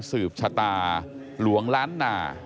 สืบชะตาหลวงล้านนา